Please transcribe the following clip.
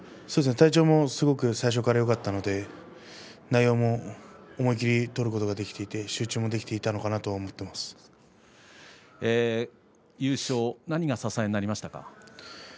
体調も最初からすごくよかったので内容も思い切り取ることができていて集中もできていたのかなと優勝、何が支えになりましたか。